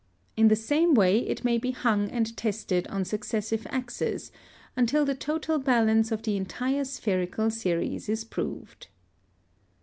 In the same way it may be hung and tested on successive axes, until the total balance of the entire spherical series is proved.